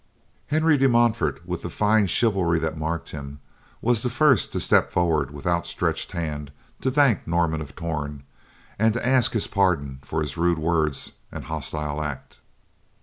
Henry de Montfort, with the fine chivalry that marked him, was the first to step forward with outstretched hand to thank Norman of Torn, and to ask his pardon for his rude words and hostile act.